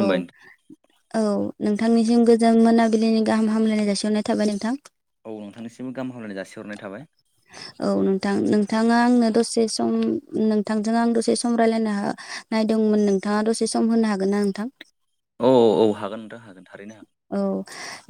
औ नोंथां। औ नोंथांनिसिम गोजान मोनाबिलिनि गाहाम हामलायनाय जासिहरनाय थाबाय नोंथां। औ नोंथांनिसिमबो गाहाम हामलायनाय जासिहरनाय थाबाय। औ नोंथां नोंथाङा आंनो दसे सम नोंथांजों आं दसे सम रायलायनो हो नायदोंमोन नोंथाङा दसे सम होनो हागोन ना नोंथां? औ औ हागोन नोंथां हागोन थारैनो हागोन। औ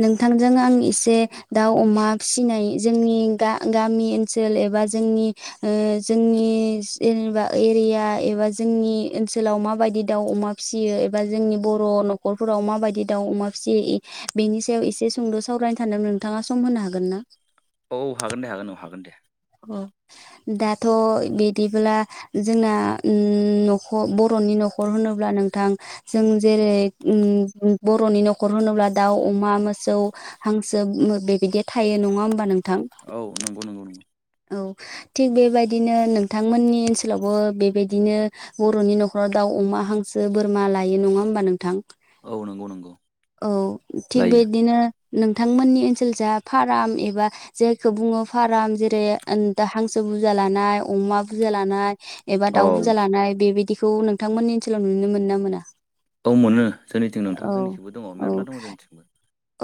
नोंथांजों आं एसे दाउ अमा फिसिनाय जोंनि गा गामि नि ओनसोल एबा जोंनि ओ जोंनि जेनेबा एरिया एबा जोंनि जोंनि ओनसोलाव माबायदि दाउ अमा फिसियो? एबा जोंनि बर' नखरफोराव माबायदि दाउ अमा फियो बेनि सायाव एसे सुंद' सावरायनानै सानदों नोंथाङा सम होनो हागोन ना? औ हागोन दे हागोन औ हागोन दे। दाथ' बिदिब्ला जोंना न'खर बर'नि न'खर‌ न'खर होनोब्ला नोंथां जों जेरै बर'नि न'खर होनोब्ला दाउ अमा। मोसौ हांसो बेबायदि थायो नङा होनबा नों औ नंगौ नंगौ नंगौ। औ थिग बेबायदिनो नोंथांमोननि ओनसोलावबो बेबायदिनो बर'नि न'खराव दाउ अमा हांसो बोरमा लायो नङा होमबा नोंथां? औ नंगौ नंगौ औ थिग लायो बिदिनो नोंथांमोननि ओनसोल जा फार्म एबा जायखौ बुङो फार्म जेर दा हांसो बुरजा लानाय अमा बुरजा लानाय एबा औ दाउ बुरजा लानाय बेबायदि बेखौ नोंथांमोननि ओनसोलाव नुनो मोनो ना मोना? औ मोनो, जोंनिथिं नोंथाङा औ जोंनिथिंबो दङ' औ मेरला दङ' जोंनिथिंबो।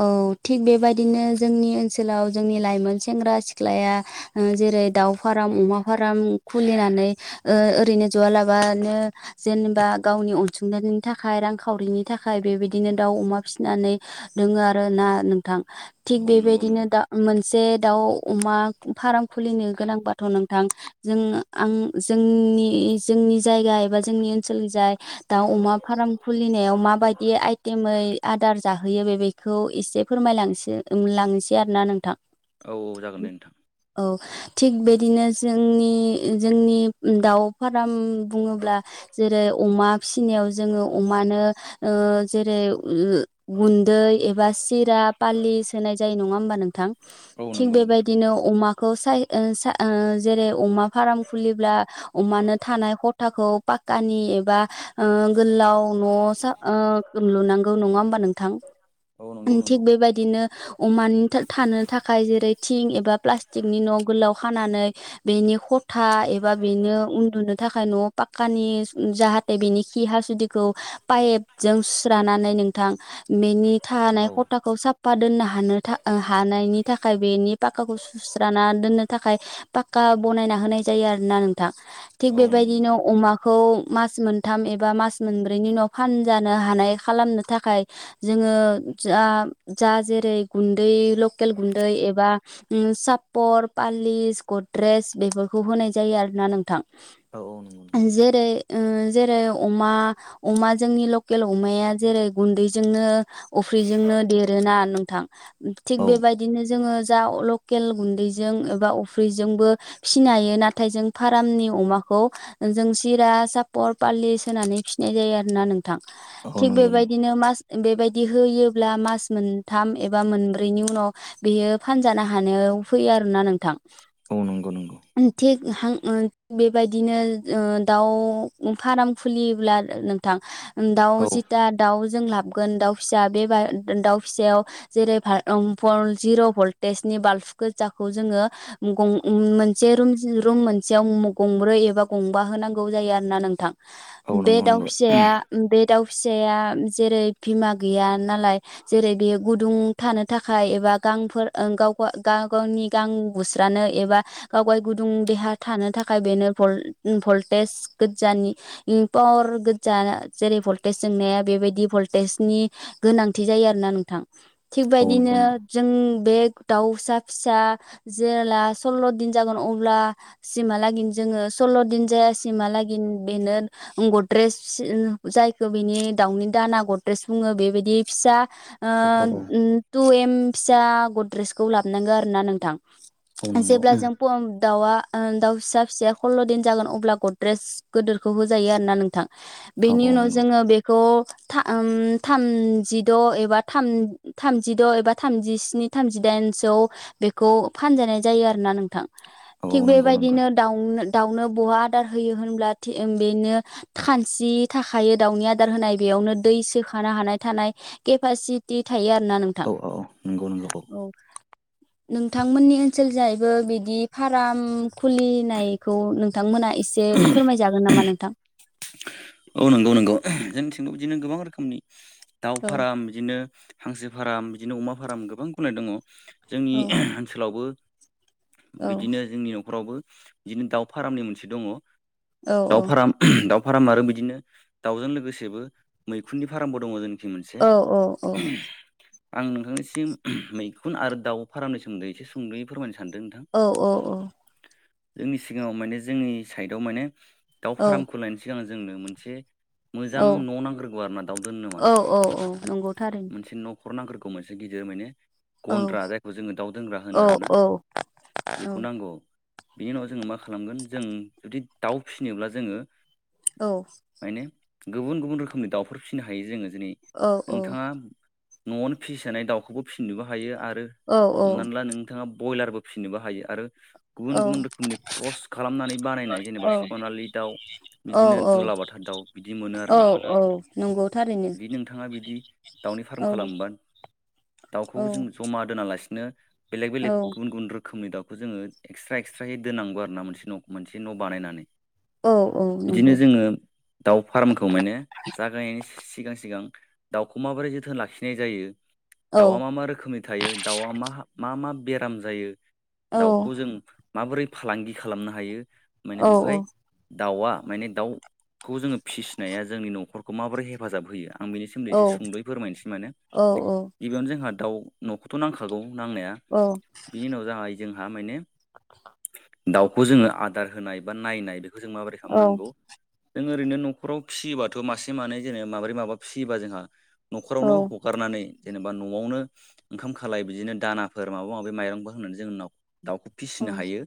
औ थिग बेबायदिनो जोंनि ओनसोलाव जोंनि लाइमोन सेंग्रा सिख्लाया ओ जेरै दाउ फार्म, अमा फार्म खुलिनानै ओ ओरैनो जआलाबानो जेनेबा गावनि अनसुंथाइनि थाखाय रांखावरिनि थाखाय बेबायदिनो दाउ, अमा फिसिनानै दोङो आरो ना नोंथां। थिग औ नंगौ बेबायदिनो नंगौ। दा मोन जे दाउ, अमा फार्म खुलिनो गोनांबाथ' नोंथां, जों आं जोंनि जोंनि जोंनि जायगा एबा जोंनि ओनसोलनि जाय दाउ, अमा फार्म खुलिनायाव माबायदि आइटेमै आदार जाहोयो बे बेखौ एसे फोरमायलांसै लांसै आरोना नोंथां औ औ जागोन दे नोंथां। औ थिग बिदिनो जोंनि जोंनि दाउ फाराम बुङोब्ला जेरै अमा फिसिनायाव जोंङो अमानो ओ जेरै ओ गुन दै एबा सिरा फालि सोनाय जायो नङा होबा नोंथां? औ थिग नंगौ नंगौ नोंथां। बेबायदिनो अमा खौ साय ओ सा ओ जेरै अमा फाराम खुलिब्ला अमानो थानाय हथाखौ फाक फाकानि एबा ओ गोलाव न'सा ओ लुनांगौ नङा होमबा नोंथां? औ न थिग बेबायदिनो अमानि था-थानो थाखाय जेरै थिं एबा प्लास्टिकनि न' गोलाव खानानै बेनि खथा एबा बेनो उन्दुनो थाखाय न'आव पाक्कानि ज-जाहा बिनि खि हासुदिखौ पाइपजों सुस्रानानै नोंथां बेनि थानाय औ खथाखौ साफा दोननो हानो था ओ हानायनि थाखाय बेनि पाक्काखौ सुस्राना दोन्नो थाखाय पाक्का बनायना होनाय जायो आरोना नोंथां, थिक औ नंगौ बेबायदिनो नंगौ अमा खौ मास मोनथाम एबा मास मोनब्रैनि उनाव फानजानो हानाय खालामनो थाखाय जोङो जा जा जेरै गुन्दै लकेल गुन्दै एबा उम सापर पालिस गद्रेज बेफोरखौ होनाय जायो आरोना नोंथां औ औ नंगौ नंगौ। जेरै ओ जेरै अमा अमा जोंनि लकेल अमाया जेरै गुन्दैजोंनो अफ्रिजोंनो देरोना नोंथां थिग औ बेबायदिनो जोङो जा लकेल गुन्दैजों एबा अफ्रिजोंबो फिसिनो हायो नाथाय जों फारामनि अमा खौ जों सिरा, सापर, पालिस होनानै फिसिनाय जायो आरो ना नों थां औ थिक नंगौ नंगौ बेबायदिनो मास बेबाय बिदि होयोब्ला मास मोनथाम एबा मोनब्रैनि उनाव बेयो फानजानो हानायाव फैयो आरो ना नोंथां। औ नंगौ नंगौ। थिग हां ओं बेबायदिनो ओ दाउ फाराम खुलियोब्ला नोंथां दाउ औ जिथा दाउ जों लाबगोन दाउ फिसा बेबा दा-दाउ फिसायाव जेरै भा ओम भल जिर' भलटेजनि बाल्ब गोजा खौ जोंङो गं उम मोनसे रुम रुम मोनसेआव मगंब्रै एबा गंबा होनांगौ जायो। जायो आरो ना नोंथां। औ बे नंगौ दाउ नंगौ फिसाया बे दाउ फिसाया जेरै बिमा गैया नालाय जेरै बेयो गुदुं थानो थाखाय एबा गांफोर ओ गावफा ओ गा-गावनि नि गां बुस्रानो एबा गावखौहाय गुदुं देहा थानो थाखाय बेनो भल्ट उम भल्टेज गोजानि ओम पावार गोजा जेरै भल्टेज जोंनाया बेबायदि भल्टेजनि गोनांथि जायो आरोना नोंथां, औ थिगबायदिनो नंगौ नंगौ जों बे दाउसा फिसा जेब्ला सल्ल' दिन जागोन अब्ला सिमहालागै जोङो स सल्ल' दिन जायासिमहालागै बेनो गद्रेज जायखौ बेनि दाउनि दा ना गद्रेज बुङो बेबायदि फिसा ओ औ औ उम टु इम फिसा गद्रेजखौ लाबोनांगौ आरो ना नोंथां, नंगौ जेब्ला जों पम दाउआ ओ दाउ फिसा फिसाया हल्ल' दिन जागोन अब्ला गद्रेस गोदोरखौ होजायो आरोना नोंथां। औ बेनि औ उनाव नंगौ जोङो बेखौ था ओम थामजिद' एबा थाम थामजिद' एबा थामजिस्नि थामजिदाइनसोआव बेखौ फानजानाय जायो आरोना नोंथां। औ थिग नंगौ नंगौ बेबायदिनो दाउनो दाउनो बहा आदार होयो होनब्ला थि ओ बेनो खानसि थाखायो दाउनि आदार होनाय बेयाव नो दै सोखानो हानाय थानाय केपासिटि थायो आरोना नोंथां औ औ नंगौ नंगौ औ नोंथांमोननि ओनसोल जाहैबो बिदि फार्म खुलिनायखौ नोंथांमोना एसे फोरमायजागोन नामा नोंथां औ नंगौ नंगौ जोंनिथिंगौ बिदिनो गोबां रोखोमनि दाव औ फाराम बिदिनो हांसो फाराम बिदिनो अमा फाराम गोबां खनाय दङ जोंनि औ ओनसोलावबो औ बिदिनो जोंनि न'खरावबो बिदिनो दाउ फारामनि मोनसे दङ औ दाउ फाराम दाउ फाराम आरो बिद बिदिनो दाउजों लोगोसेबो मैखुननि फारामबो दङ जों औ औ औ आं नोंथांनिसिम मैखुन आरो दाउ फारमनि सोमोन्दैसे सुंदुयै फोरमायनो सै औ औ औ जोंनि सिगाङाव माने जोंनि साइडआव माने दाउ फारामखौ लायनि सिगां जोंनो मोनसे मोजां औ न' नांग्रोगौ आरो ना दाउ दोननो माने औ औ औ नंगौ थारैनो मोनसे न' खर नांग्रोरखौ मोनसे गिदिर माने औ गन्द्रा जायखौ जोङो दाउ दोंग्रा होनो औ आरोना औ औ बेखौ नांगौ बिनि उनाव जोङो मा खालामगोन जों जुदि दाउ फिसिनोब्ला जोङो औ माने गुबुन गुबुन रोखोमनि दाउफोर फिसिनो हायो जोङो जेरै नोंथाङा न'आवनो फिसिजानाय दाउखौबो फिसिनोबो हायो आरो हमनानै ला नोंथाङा बयलारबो फिनोबो हायो आरो गुबुन औ गुबुन रोखोमनि क्रस खालामनानै बानायनाय जेनेबा औ सनालि दाउ औ बिदिनो औ दुलाबाथा दाउ बिदि मोनो औ आरोना औ नंगौ थारैनो बिदि नोंथाङा बिदि दाउनि फाराम औ खालामोन दाउखौ औ जों जमा दोनालासिनो बेलेग औ बेलेग गुबुन गुबुन रोखोमनि दं बेखौ जोङो एक्सट्रा एक्सट्राहै दोननांगौ आरो ना मोनसे न' मोनसे न' बानायनानै औ औ बिदिनो नंगौ जोङो दाउ फार्मखौ माने जागायस सिगां सिगां दाउखौ माबोरै जोथोन लाखिनाय जायो औ दाउआ मा मा रोखोमनि थायो दाउआ मा मा मा बेराम जायो औ दाउखौ जों माबोरै फालांगि खालामनो हायो माने औ ओमफाय औ दाउआ माने दाउखौ जोङो फिसिनाया जोंनि न'खरखौ माबोरै हेफाजाब होयो आं बेनि सोमोन्दै औ एसे सुंद'यै फोरमायनोसै माने गिबियावनो जोंहा दाउ न'खौथ' नांखागौ नांनाया औ बिनि उनाव जाबाय जोंहा माने आ दाउखौ जोङो आदार होनाय बा नायनाय बेखौ जों माबोरै औ खालामनांगौ जों ओरैनो न'खराव फिसियोबाथ' मासे मानै जेनो माबोरै माबा फिसियोबा जोंहा न'खरावनो हगारनानै जेनेबा न'आवनो ओंखाम खालाय बिदिनो दानाफोर माबा माबि माइरंफोर होननानै जों नाव दाउखौ फिसिनो औ हायो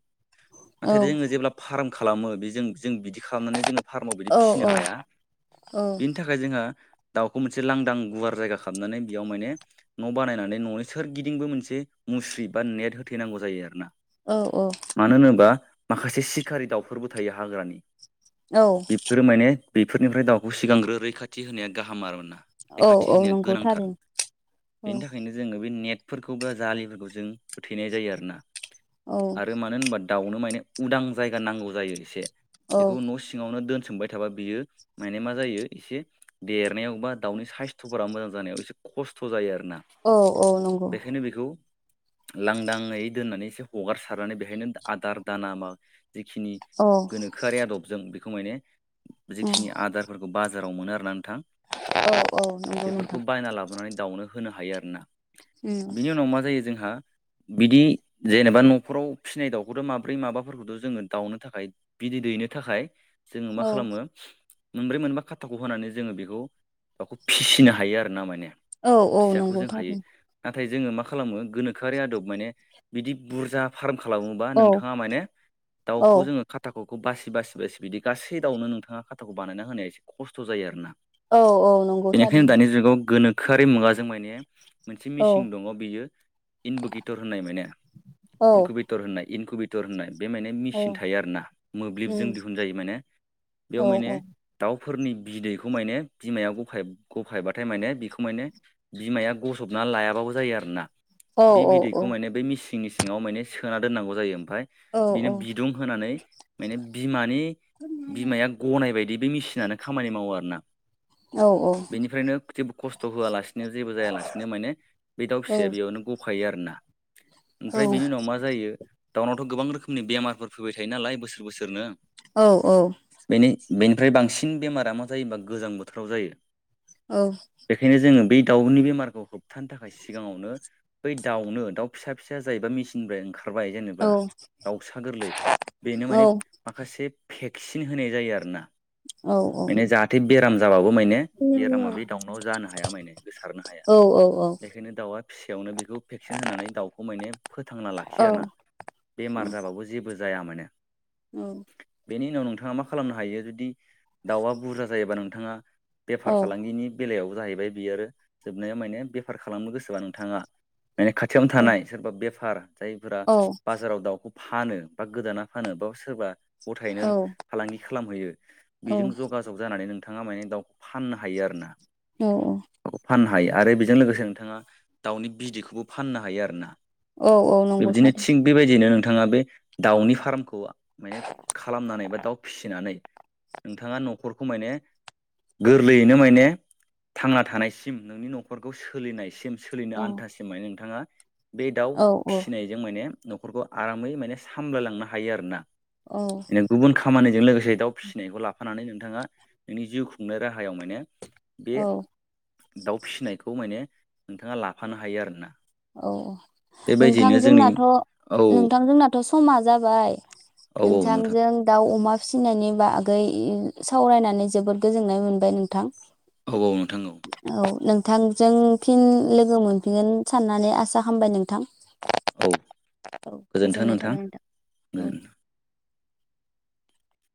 नाथाय जोङो जेब्ला फाराम खालामो बेजों जों बिदि खालामनानै जों फारामाव बिदि फिसिनो हाया बिनि थाखाय जोंहा दाउखौ मोनसे लांदां गुवार जायगा खालामनानै बेयाव माने न' बानायनानै न'नि सोरगिदिंबो मोनसे मुस्रि बा नेट होथैनांगौ जायो आरो ना औ औ मानो होनोबा माखासे सिखारि दाउफोरबो थायो हाग्रानि बेफोरो माने बेफोरनिफ्राय दाउखौ सिगांग्रो रैखाथि होनाया गाहाम आरो ना औ रैखाथि औ होनाया नंगौ गोनांथार थारैनो औ बेनि थाखायनो जोङो बे नेट फोरखौ बा जाालिफोरखौ जों होथैनाय जायो आरोना आरो मानो होनबा दाउनो माने उदां जायगा नांगौ जायो एसे औ बेखौ न' सि नो दोनसोमबाय थाबा बियो माने मा जायो एसे देरनायावबा दाउनि साइस्थ'फोरा मोजां जानाय ए ओसे खस्थ जायो आरो। औ औ नंगौ। लांदाङै दोननानै एसे हगारसारनानै बेहायनो आदार दाना मा जिखिनि औ गोनोखोआरि आदबजों बेखौ माने जिखिनि आदारफोरखौ बाज बाजाराव मोनो आरो ना नोंथां औ नंगौ बेफोरखौ नोंथां बायना लाबोनानै दाउनो होनो हायो आरो ना बिनि उनाव मा जायो जोंहा बिदि जेनेबा न'खराव फिसिनाय दाउखौथ' माब्रै माबाफोरखौथ' जोङो दाउनो थाखाय बिदै दै नो थाखाय जोङो मा खालामो मोनब्रै मोनबा खाथाख' होनानै जोङो बेखौ दाउखौ फिसिनो हायो आरो ना माने औ औ फिसाखौ जों नंगौथ' हायो आरो नाथाय जोङो मा खालामो गोनोखोआरि आदब माने बिदि बुरजा फार्म खालामोबा औ नोंथाङा माने औ दाउखौ जोङो खाथाख'खौ बासि बासि बासि बिदि गासै दावउनो नोंथाङा खाथाखौ बानायना होनाया एसे खस्थ' जायो आरोना औ औ नंगौ बेनिखायनो थारैनो दानि जुगाव गोनोखोआरि मुगाजों माने मोनसे औ मिचिन दङ' बियो इनभुकेटर होननाय मोनो औ इनकुबेटर होननाय इनकुबेटर होननाय बे माने औ मिसिन थायो आरो ना मोब्लिबजों दिहुन जायो माने। बेयाव औ माने औ दाव फोरनि बिदैखौ माने बिमाया गफाय गफायबाथाय माने बेखौ माने बिमाया गजब ना लायाबाबो जायो आरोना औ बि बिदैखौ माने बे मिसिंनि सिङाव माने सोना दोननांगौ जायो। ओमफाय बिनो बिदुं होनानै माने बिमानि बिमाया गनायबाय दि बे मेसिनानो खामानि मावो आरो ना। औ। बेनिफ्रायनो जेबो खस्थ' होआलासिनो जेबो जायालासिनो माने बे दाउ फिसाया बेयावनो गफायो आरोना। ओमफ्राय बिनि उनाव मा जायो दाउनावथ' गोबां रोखोमनि बेमारफोर फैबाय थायो नालाय बोसोर बोसोरनो औ औ। बेनि बेनिफ्राय बांसिन बेमारा मा जायोबा गोजां बोथोराव जायो। बेखायनो जोङो बै दाउनि बेमारखौ होबथानो थाखाय सिगाङावनो बै दाउनो दाउ फिसा फिसा जायबा मिसिननिफ्राय ओं ओंखारबाय जेनेबा दाउसा गोरलै बेनो माने माखासे भेक्सिन होनाय जायो आरो ना। औ औ। बेराम जाबाबो माने बेरामा बे दाउनाव जानो हाया माने गोसारनो हाया। बेखायनो दाउआ फिसायावनो बेखौ भेक्सिन होनानै दाउखौ माने फोथांना लाखियो आरोना बेमार जाबाबो जेबो जाया माने। औ। बेनि उनाव नोंथाङा मा खालामनो हायो जुदि दाउआ बुरजा जायोबा नोंथाङा बेफार फालांगिनि बेलायाव जाहैबाय बियो जोबनाया माने बेफार खालामनो गोसोबा नोंथाङा माने खाथियावनो थानाय सोरबा बेफार जायफोरा बाजाराव दाउखौ फानो बा गोदाना फानो बा सोरबा गथायैनो औ फालांगि खालामहैयो औ औ बेजों जगाजग जानानै नों नोंथाङा माने दाउखौ फाननो हायो आरो ना। औ औ। आरो बेजों लोगोसे नोंथाङा दाउनि बिदैखौबो फाननो हायो आरो ना। नंगौ बिब्दिनो थारै थिग बेबायदिनो नोंथाङा बे दाउनि फार्मखौ माने खालामनानै बा दाउ फिसिनानै नोंथाङा न'खरखौ माने गोरलैयैनो माने थांना थानायसिम नोंनि न'खरखौ सोलिनायसिम सोलिनो औ आन्थासिम माने नोंथाङा बे दाउ औ औ फिसिनायजों माने न'खरखौ आरामै माने सामलायलांनो हायो आरोना। औ नों गुबुन खामानि जों लोगोसे दाउ फिसिनायखौ लाफानानै नोंथाङा नोंनि जिउ खुंनाय राहायाव माने बे औ। दाउ फिसिनायखौ माने नोंथाङा लाफानो हायो आरोना। औ नोंथां बेबायदियैनो जोंनि जोंनाथ' औ नोंथां जोंनाथ' समा जाबाय औ औ नोंथां नोंथांजों दाउ अमा फिसिनायनि बागै इन सावरायनानै जोबोद गोजोननाय मोनबाय नोंथां। औ औ नोंथां औ। नोंथांजों फिन लोगो मोनफिनगोन साननानै आसा खालामबाय नोंथां। औ गोजोन्थों गोजोननाय नोंथां थाबाय नोंथां गोजोन औ।